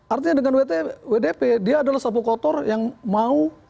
artinya dengan wtp dia adalah sapu kotor yang mau berpengaruh